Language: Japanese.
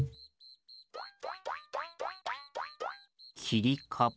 きりかぶ？